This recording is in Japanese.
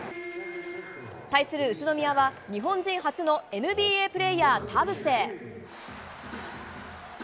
対する宇都宮は日本人初のＮＢＡプレーヤー、田臥。